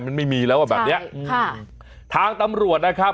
มันไม่มีแล้วอ่ะแบบเนี้ยอืมค่ะทางตำรวจนะครับ